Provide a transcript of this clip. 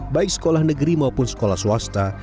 baik sekolah negeri maupun sekolah swasta